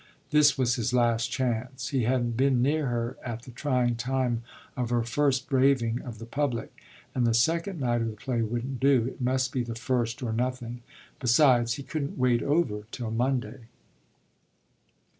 This was his last chance he hadn't been near her at the trying time of her first braving of the public. And the second night of the play wouldn't do it must be the first or nothing. Besides, he couldn't wait over till Monday.